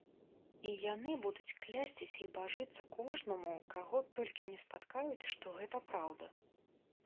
І яны будуць клясціся і бажыцца кожнаму, каго толькі не спаткаюць, што гэта праўда.